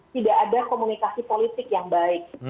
tidak ada komunikasi politik yang baik